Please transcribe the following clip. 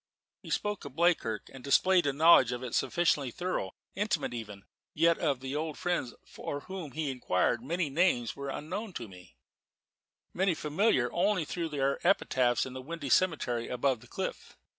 He spoke of Bleakirk, and displayed a knowledge of it sufficiently thorough intimate even yet of the old friends for whom he inquired many names were unknown to me, many familiar only through their epitaphs in the windy cemetery above the cliff.